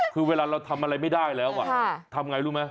คือเวลาเราทำอะไรไม่ได้แล้วทำไงรู้ไหม